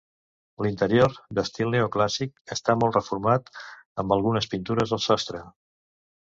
L'interior, d'estil neoclàssic, està molt reformat amb algunes pintures al sostre.